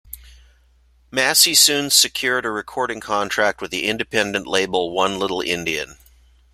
Massey soon secured a recording contract with the independent label One Little Indian.